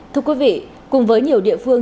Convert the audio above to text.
thưa quý vị cùng với nhiều địa phương